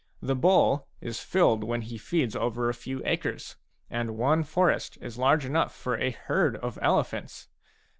The bull is filled when he feeds over a few acres ; and one forest is large enough for a herd of elephants.